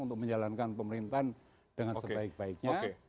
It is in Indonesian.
untuk menjalankan pemerintahan dengan sebaik baiknya